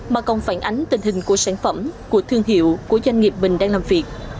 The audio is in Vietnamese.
mà còn phản ánh tình hình của sản phẩm của thương hiệu của doanh nghiệp mình đang làm việc